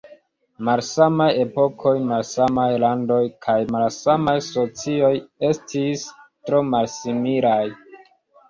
Malsamaj epokoj, malsamaj landoj kaj malsamaj socioj estis tro malsimilaj.